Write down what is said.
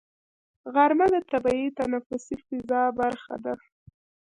غرمه د طبیعي تنفسي فضا برخه ده